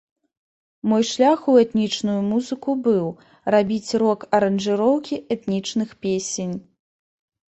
Мой шлях у этнічную музыку быў, рабіць рок-аранжыроўкі этнічных песень.